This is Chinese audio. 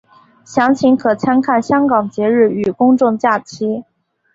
详情可参看香港节日与公众假期。